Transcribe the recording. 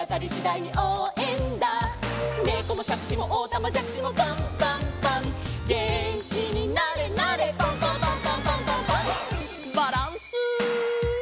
「ねこもしゃくしもおたまじゃくしもパンパンパン」「げんきになれなれパンパンパンパンパンパンパン」バランス。